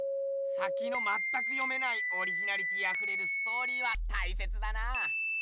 さきのまったく読めないオリジナリティーあふれるストーリーはたいせつだなぁ。